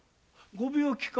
ご病気か？